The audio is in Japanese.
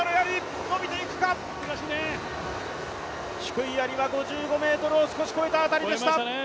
低いやりは５５ｍを少し越えた辺りでした。